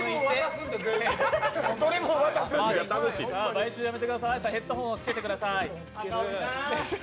買収やめてくださいヘッドホンを着けてください。